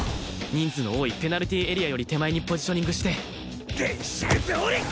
人数の多いペナルティーエリアより手前にポジショニングして練習どおり！